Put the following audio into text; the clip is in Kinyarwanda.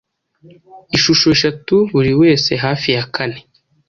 Inshuro eshatu buriwese hafi ya kane